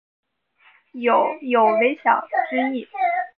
酉有缩小之意。